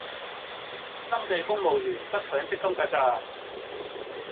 新制公務員得強積金架咋